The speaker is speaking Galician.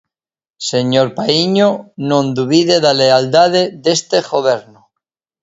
Señor Paíño, non dubide da lealdade deste Goberno.